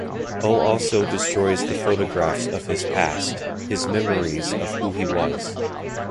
O also destroys the photographs of his past, his 'memories' of who he was.